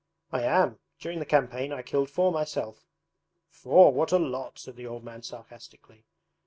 'I am. During the campaign I killed four myself.' 'Four? What a lot!' said the old man sarcastically.